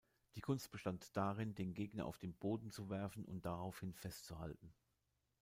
Die Kunst bestand darin, den Gegner auf den Boden zu werfen und daraufhin festzuhalten.